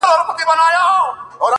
او په سترگو کې بلا اوښکي را ډنډ سوې!!